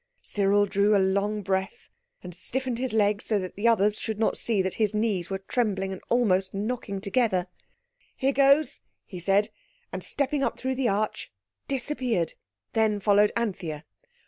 Cyril drew a long breath and stiffened his legs so that the others should not see that his knees were trembling and almost knocking together. "Here goes!" he said, and, stepping up through the arch, disappeared. Then followed Anthea.